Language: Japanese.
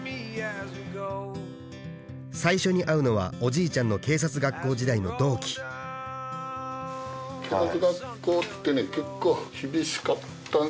最初に会うのはおじいちゃんの警察学校時代の同期警察学校ってね結構厳しかった。